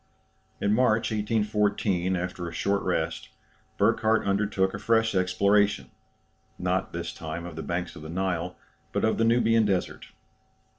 In March, 1814, after a short rest, Burckhardt undertook a fresh exploration, not this time of the banks of the Nile, but of the Nubian desert.